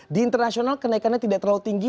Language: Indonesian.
di internasional kenaikannya tidak terlalu tinggi